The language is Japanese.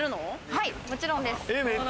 はい、もちろんです。